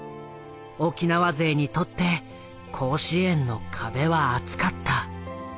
沖縄勢にとって甲子園の壁は厚かった。